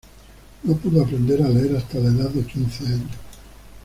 No pudo aprender a leer hasta la edad de quince años.